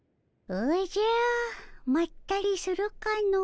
おじゃまったりするかの。